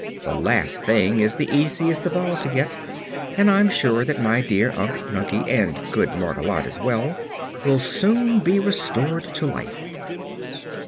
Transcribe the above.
The last thing is the easiest of all to get, and I'm sure that my dear Unc Nunkie and good Margolotte, as well will soon be restored to life."